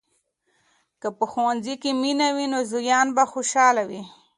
که په ښوونځي کې مینه وي، نو زویان به خوشحال وي.